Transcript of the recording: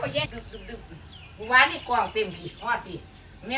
เป็นที่๔๓หรือเปล่า